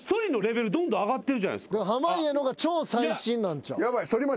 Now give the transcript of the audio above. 濱家のが超最新なんちゃう？